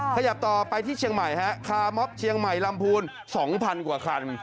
ขยับต่อไปที่เชียงใหม่ฮะคาร์มอบเชียงใหม่ลำพูน๒๐๐กว่าคัน